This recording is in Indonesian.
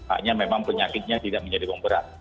akhirnya memang penyakitnya tidak menjadi pemberah